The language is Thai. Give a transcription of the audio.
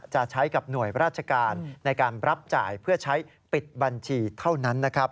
จะใช้กับหน่วยราชการในการรับจ่ายเพื่อใช้ปิดบัญชีเท่านั้นนะครับ